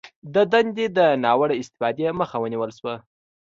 د دندې د ناوړه استفادې مخه ونیول شوه